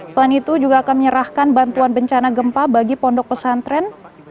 selain itu juga akan menyerahkan bantuan bencana gempa bagi pondok pesantren